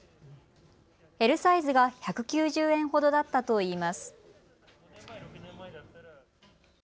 Ｌサイズが１９０円ほどだったといいます。